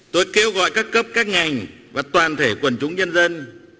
tôi kêu gọi các cấp các ngành và toàn thể quần chúng nhân dân